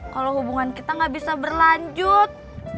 kalau hubungan kita gak bisa berlanjut